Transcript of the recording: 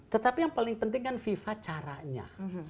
tetapi yang paling penting kan fifa caranya